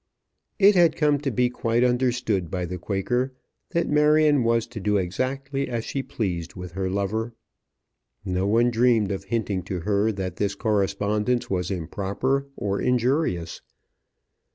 It had come to be quite understood by the Quaker that Marion was to do exactly as she pleased with her lover. No one dreamed of hinting to her that this correspondence was improper or injurious.